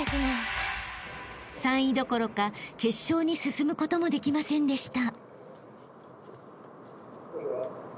［３位どころか決勝に進むこともできませんでした］